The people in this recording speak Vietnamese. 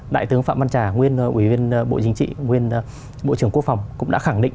đại tướng phạm văn trà nguyên ủy viên bộ chính trị nguyên bộ trưởng quốc phòng cũng đã khẳng định